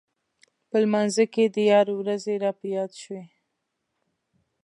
په لمانځه کې د یار ورځې راپه یاد شوې.